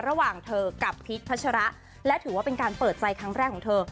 ระหว่างเธอกับพีชพัชระและถือว่าเป็นการเปิดใจครั้งแรกของเธอ